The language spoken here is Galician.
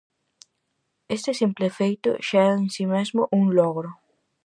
Este simple feito xa é en si mesmo un logro.